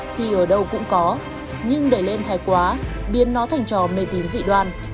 thì ở đâu cũng có nhưng đẩy lên thái quá biến nó thành trò mê tín dị đoan